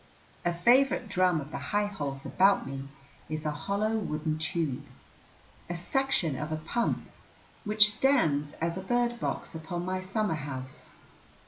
A favorite drum of the high holes about me is a hollow wooden tube, a section of a pump, which stands as a bird box upon my summer house.